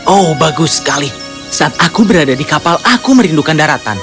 oh bagus sekali saat aku berada di kapal aku merindukan daratan